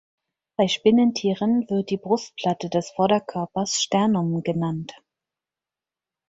Bei Spinnentieren wird die Brustplatte des Vorderkörpers Sternum genannt.